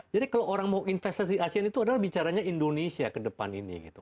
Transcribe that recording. jadi kalau orang mau investasi di asian itu adalah bicaranya indonesia ke depan ini